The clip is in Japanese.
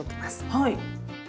はい。